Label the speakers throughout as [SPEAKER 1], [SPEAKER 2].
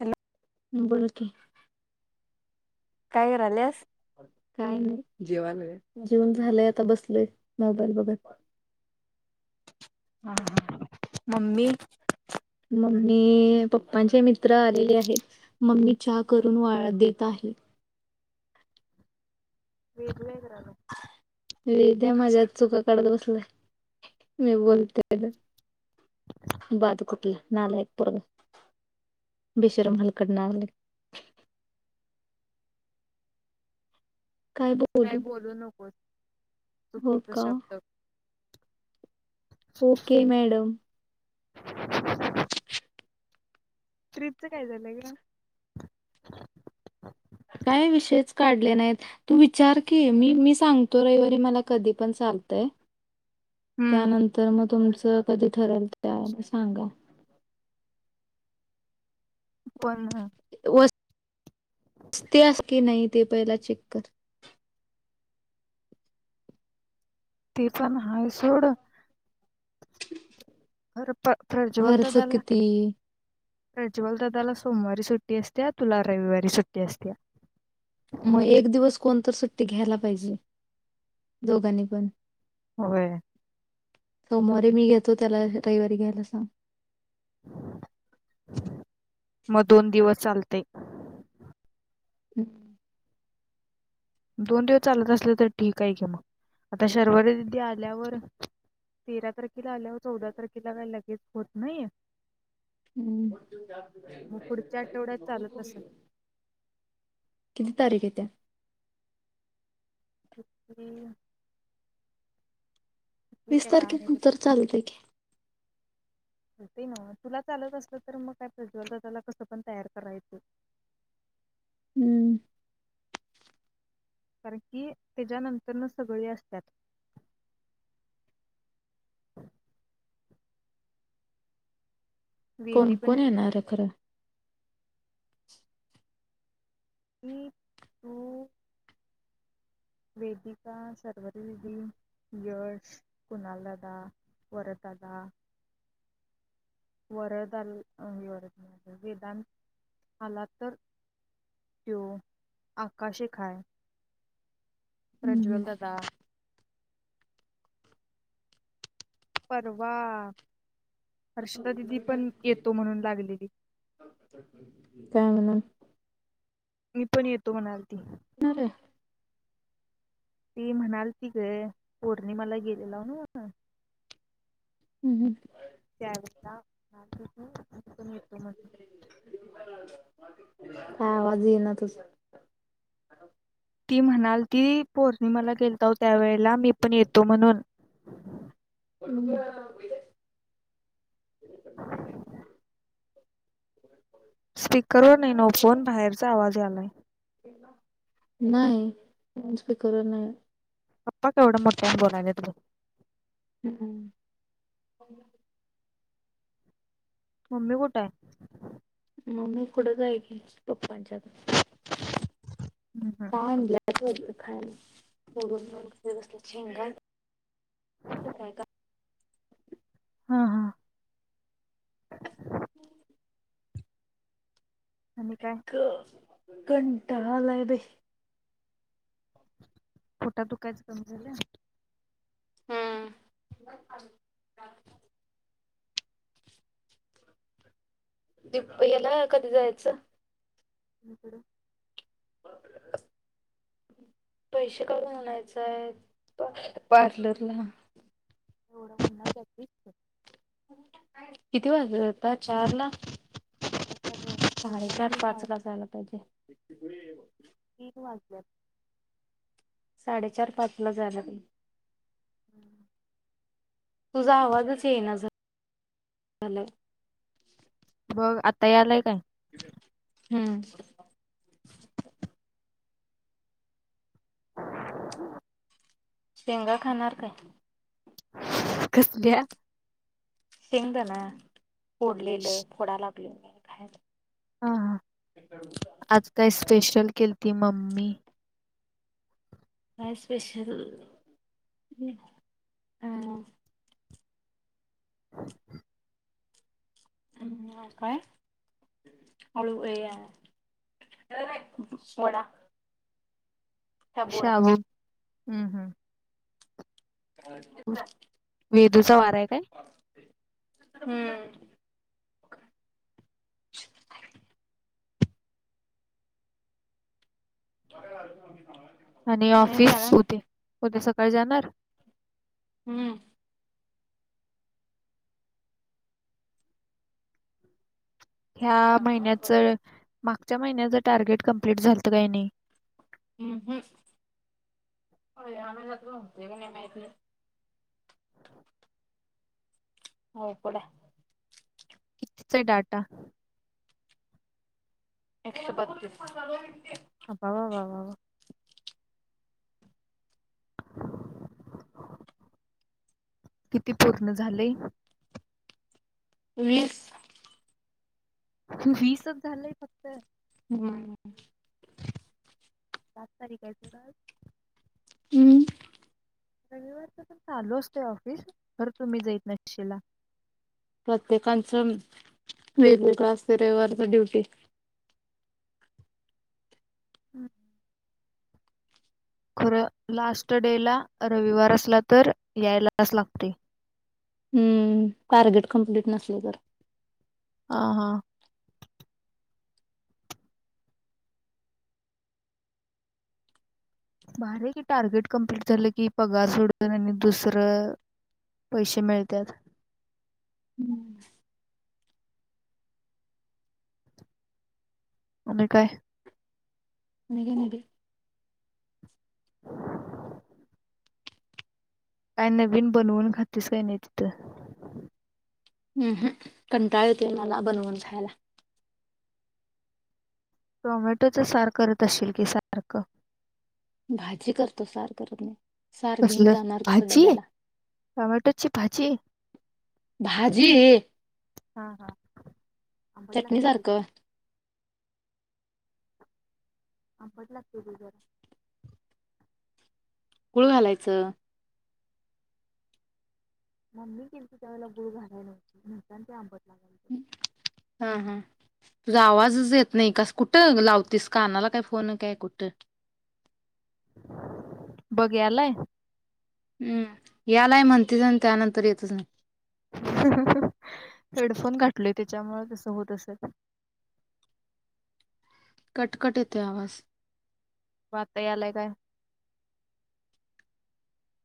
[SPEAKER 1] Hello
[SPEAKER 2] बोल कि.
[SPEAKER 1] काय कराल्यास?
[SPEAKER 2] काय नाही जेवालोय जेवूण झालंय आता बसलोय मोबाईल बघत.
[SPEAKER 1] हा हा मम्मी
[SPEAKER 2] मम्मी पप्पांचे मित्र आलेले आहेत मम्मी चहा करून वाळदे ता हे.
[SPEAKER 1] वेद नाही घरात.
[SPEAKER 2] बेदया माझ्यात चुका काढत बसलाय मी बोलतोय तेजातं बाद कुटला नालायक पोरग बेशरम हालकट नालायक
[SPEAKER 1] असं काही बोलू नकोस
[SPEAKER 2] हो
[SPEAKER 1] चुकीच
[SPEAKER 2] का
[SPEAKER 1] शब्द
[SPEAKER 2] ओके मॅडम
[SPEAKER 1] ट्रिप च काय झालंय ग
[SPEAKER 2] काय विषयच काढले नाहीत तू विचार की मी मी सांगतो रविवारी मला कधी पण चालतय
[SPEAKER 1] हम्म
[SPEAKER 2] त्यानंतर मग तुमच कधी ठरल त्या सांगा.
[SPEAKER 1] पण
[SPEAKER 2] वस ती असती की नाही. ते पहिला चेक कर.
[SPEAKER 1] ते पण हाय सोड. प्र प्रज्वल
[SPEAKER 2] खर्च
[SPEAKER 1] दादा ला
[SPEAKER 2] किती?
[SPEAKER 1] प्रज्वल दादाला सोमवारी सुट्टी असतेया तुला रविवारी सुट्टी असतेया.
[SPEAKER 2] मग एक दिवस कोणत सुट्टी घ्यायला पाहिजे दोघांनी पण.
[SPEAKER 1] होय.
[SPEAKER 2] सोमवारी मी घेतो त्याला रविवारी घ्यायला सांग.
[SPEAKER 1] मग दोन दिवस चालते.
[SPEAKER 2] हम्म.
[SPEAKER 1] दोन दिवस चालत असले तर ठीक आहे की मग आता शर्वरी दिदी आल्यावर तेरा तार चौदा तारखेला काय लगेच ते होत नाहीये.
[SPEAKER 2] हम्म.
[SPEAKER 1] पुढच्या आठवड्यात चालत असेल.
[SPEAKER 2] किती तारीेख येत्या
[SPEAKER 1] किती. किती
[SPEAKER 2] वीस तारखेनंतर चालत की.
[SPEAKER 1] होते ना तुला चालत असलं तर मग काय प्रज्वल दादा त्याला कसं पण तयार करायचं.
[SPEAKER 2] हम्म.
[SPEAKER 1] कारण की त्याच्यानंतर न सगळे असतात. वेदी
[SPEAKER 2] कोण
[SPEAKER 1] पण
[SPEAKER 2] कोण येणार आहे खरं
[SPEAKER 1] मी तू वेदिका शर्वरी दीदी यश कुणालादा वरदादा वेदांत आला तर तो आकाश एक हाय
[SPEAKER 2] हम्म.
[SPEAKER 1] प्रज्वल दादा परवा हर्षदा दिदी पण येतो म्हणून लागलेली
[SPEAKER 2] काय म्हणून
[SPEAKER 1] मी पण येतो म्हणालती
[SPEAKER 2] मग रे
[SPEAKER 1] ती म्हणालीत गं पौर्णिमाला गेलेला न्हवं
[SPEAKER 2] हम् हम
[SPEAKER 1] येतो मी पण म्हणून
[SPEAKER 2] हा आवाज येतोय ना तुम्हाला?
[SPEAKER 1] ती म्हणाली, ती पौर्णिमेला गेली होती त्यावेळी. ला, मी पण येतो म्हणून.
[SPEAKER 2] [unintelligible]
[SPEAKER 1] [unintelligible]
[SPEAKER 2] [inaudible]
[SPEAKER 1] स्पीकरवर नाही, फोनच्या बाहेरचा आवाज आलाय.
[SPEAKER 2] नाही, फनसपे कर नाही.
[SPEAKER 1] आपण का एवढं मोठ्यानं बोलत नाहीत?
[SPEAKER 2] हम्म्... !
[SPEAKER 1] मम्मी कुठे आहे?
[SPEAKER 2] मम्मी पप्पांकडेच आहेत.
[SPEAKER 1] हम्म हम्म
[SPEAKER 2] काय झालं? शेंग खाय.
[SPEAKER 1] हा हा
[SPEAKER 2] [inaudible]
[SPEAKER 1] आणि काय
[SPEAKER 2] एक. घंटा लावून दे.
[SPEAKER 1] फोटोत तू काहीच कमी झालेला नाहीस.
[SPEAKER 2] हम्म... ! दप याला कधी जायचं?
[SPEAKER 1] इकडे.
[SPEAKER 2] पार्लरला पैसे किती द्यायचे?
[SPEAKER 1] एवढ्या उन्हात घटलीच.
[SPEAKER 2] किती वाजता? चार वा
[SPEAKER 1] सव्वा चार वा सव्वा तीन वा
[SPEAKER 2] साडेचार-पाचला जायला पाहिजे.
[SPEAKER 1] ब.
[SPEAKER 2] मी साडेचार ते पाचला जाणार आहे.
[SPEAKER 1] हम्म.
[SPEAKER 2] तुझा आवाजच येत नाही ना, झा झा.
[SPEAKER 1] ग आता यायला काय?
[SPEAKER 2] हम्म.
[SPEAKER 1] ह.
[SPEAKER 2] शेंगा खाणार का?
[SPEAKER 1] कसल्या?
[SPEAKER 2] शेंगदाणा. फोडलेलं फोडायला य.
[SPEAKER 1] हा हा आज काय स्पेशल केलं ते मम्मीने? [inaudible]
[SPEAKER 2] काय स्पेशल आहे.
[SPEAKER 1] ह.
[SPEAKER 2] काय झालं?
[SPEAKER 1] शाबू हम्म हम्म वेदूचा वारा आहे काय
[SPEAKER 2] हम्म अरे [inaudible]
[SPEAKER 1] आणि ऑफिस उद्या सकाळी कळ जाणार
[SPEAKER 2] हम्म
[SPEAKER 1] ह्या महिन्या चळ मागच्या महिन्याचं टार्गेट कंप्लीट झालंतं काय नाही
[SPEAKER 2] हम् हम् हो होते मा [inaudible] हो कड [inaudible]
[SPEAKER 1] कितीचे डाटा
[SPEAKER 2] एकशे बत्तीस
[SPEAKER 1] अ वा वा वा वा किती पूर्ण झाले
[SPEAKER 2] वीस
[SPEAKER 1] वीस च झालंय फक्त
[SPEAKER 2] हम्
[SPEAKER 1] सात तारीख आहे तोडज [inaudible]
[SPEAKER 2] हम
[SPEAKER 1] रविवारपर्यंत चालू असतय ऑफिस खर तुम्ही जाईत नशचीला
[SPEAKER 2] प्रत्येकांचं वेगवेगळ असतय रविवारच ड्युटी
[SPEAKER 1] हम्म खरं लास्ट डे ला रविवार असला तर यायलाच लागते
[SPEAKER 2] हम्म टार्गेट कम्प्लीट नसले तर
[SPEAKER 1] हा हा भारी ये की टार्गेट कम्प्लीट झालं की पगार सोडून आणि दुसरं पैसे मिळत्यात
[SPEAKER 2] नाही
[SPEAKER 1] आणि काय
[SPEAKER 2] मी काय नई बाई
[SPEAKER 1] काय नवीन बनवून खतीस काय नाही तिथं
[SPEAKER 2] हम्म हम्म कटाळ येतोय मला बनवून खायला
[SPEAKER 1] टोमॅटोचं सार करत असचील की सारखं.
[SPEAKER 2] भाजी करतो सार करत नाही. सार घेऊन
[SPEAKER 1] कसलं
[SPEAKER 2] जाणार कसं
[SPEAKER 1] भाजी
[SPEAKER 2] डब्याला
[SPEAKER 1] टमॅटोची भाजी.
[SPEAKER 2] भाजी चटणी सारखं
[SPEAKER 1] [inaudible]
[SPEAKER 2] गुळ घालायचं.
[SPEAKER 1] [inaudible]
[SPEAKER 2] हा हा तुझा आवाजच येत नाही कस. कुठं लावतीस कानाला काय फोन काय कुठं.
[SPEAKER 1] बग यालाय.
[SPEAKER 2] हम्म यालाय म्हणतीच आणि त्यानंतर येतच नाय.
[SPEAKER 1] हेडफोन घातलोय त्याच्यामुळे तसं होत असेल.
[SPEAKER 2] कटकट येतोय आवाज.
[SPEAKER 1] बग आता यालाय काय?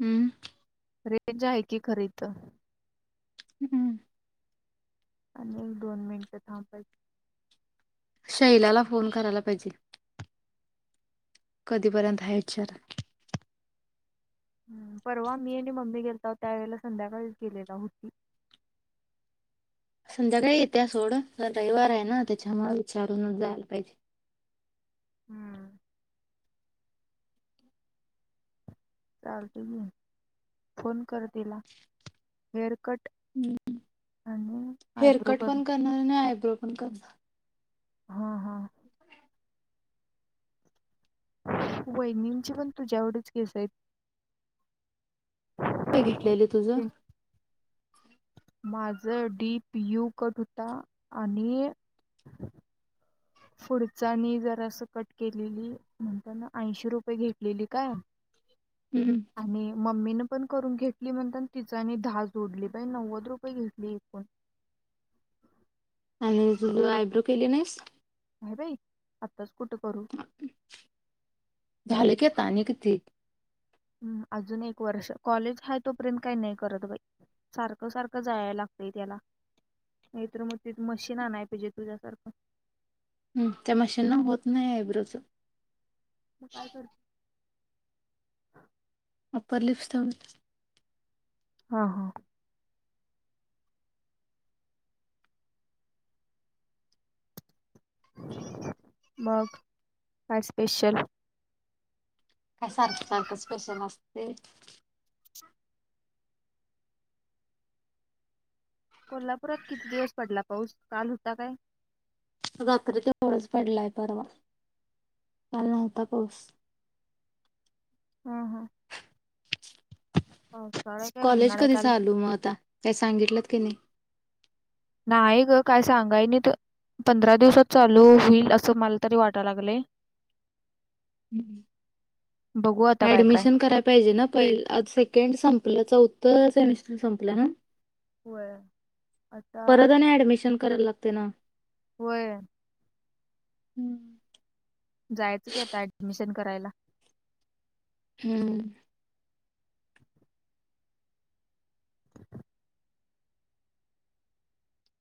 [SPEAKER 2] हम्म.
[SPEAKER 1] रेंज आहे की खरीद.
[SPEAKER 2] हम्म.
[SPEAKER 1] आणि एक दोन मिनिटं थांबाय.
[SPEAKER 2] शैलाला फोन करायला पाहिजे. कधीपर्यंत हाचार.
[SPEAKER 1] परवा मी आणि मम्मी गेलतहो त्यावेेळे संध्याकाळीच गेलेला होता.
[SPEAKER 2] संध्याकाळी येते सोड उद्या रविवार आहे ना त्याच्या मला विचारून जायला पाहिजे.
[SPEAKER 1] [inaudible] चालते मी. फोन कर तिला, हेअरकट.
[SPEAKER 2] ह्
[SPEAKER 1] आयब्रो
[SPEAKER 2] हेअरकट
[SPEAKER 1] कट
[SPEAKER 2] पण करणार आणि आयब्रो पण करणार.
[SPEAKER 1] हा हा. वैनीं जे पण तुझ्यावढच केसय.
[SPEAKER 2] काय घेतलेले तुझं?
[SPEAKER 1] माझा डी पीयू कट होता आणि. पुढचानी जर असं कट केलेली म्हणता ना ऐंशी रुपये घेतलेली काय?
[SPEAKER 2] हम्म.
[SPEAKER 1] आणि मम्मी न. पण करून घेतली म्हण तिचानी धा जोडली बा, नव्वद रुपये घेतली एकूण.
[SPEAKER 2] आणि जुल आयब्रो केले नाहीस?
[SPEAKER 1] आहे बाई आताच कुठे करू?
[SPEAKER 2] झाले क ताने किती?
[SPEAKER 1] हम् अजून एक वर्ष कॉलेज ह तोपर्यंत काही नाही अजून एक वर्ष काॅलेज आहे तोपर्यंत काय नाय करत बाई, सारखं सारखं जायला लागतय त्याला नाहीतर मग तिथ मशीन आणाय पाहिजे तुझ्यासारखं.
[SPEAKER 2] हम्म त्या मशीन होत नाही आयब्रोच.
[SPEAKER 1] [unintelligible]
[SPEAKER 2] अपर लिप्स् थम.
[SPEAKER 1] हा हा. मग काय स्पेशल?
[SPEAKER 2] काय? सारखं सारखं स्पेशल असते.
[SPEAKER 1] कोल्हापुरात किती दिवस पडला पाऊस, काल होता काय?
[SPEAKER 2] रात्री ते थोडाच पडलाय परवा काल नव्हता पाऊस.
[SPEAKER 1] [unintelligible] पावसाळा आहे काय
[SPEAKER 2] कॉलेज
[SPEAKER 1] उन्हाळा आहे
[SPEAKER 2] कधीच
[SPEAKER 1] काल?
[SPEAKER 2] चालू मग आता काय सांगितलंत की नाही?
[SPEAKER 1] नाही ग, काय सांगाय नाही तर पंधरा दिवसात चालू होईल असं मला तरी वाटाय लागलय.
[SPEAKER 2] हम्म. ऍडमिशन करायला पाहिजे ना प सेकंड संपलं चौत तनश संपलं ना?
[SPEAKER 1] होय आता
[SPEAKER 2] परत आणि अॅडमिशन करायला लागते नव्ह.
[SPEAKER 1] व्हय
[SPEAKER 2] हम्म
[SPEAKER 1] जायचं की आता ऍडमिशन कर जायला
[SPEAKER 2] हम्म